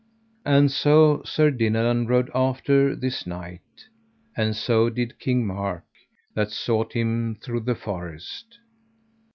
And so Sir Dinadan rode after this knight; and so did King Mark, that sought him through the forest.